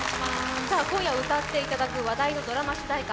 今夜歌っていただくドラマ主題歌